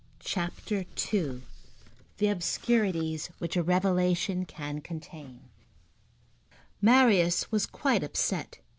CHAPTER II—THE OBSCURITIES WHICH A REVELATION CAN CONTAIN Marius was quite upset.